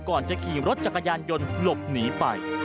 ก่อนจะขี่รถจักรยานยนต์หลบหนีไป